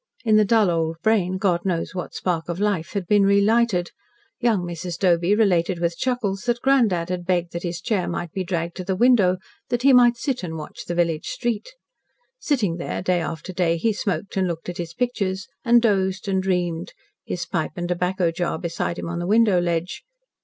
In the dull old brain, God knows what spark of life had been relighted. Young Mrs. Doby related with chuckles that granddad had begged that his chair might be dragged to the window, that he might sit and watch the village street. Sitting there, day after day, he smoked and looked at his pictures, and dozed and dreamed, his pipe and tobacco jar beside him on the window ledge.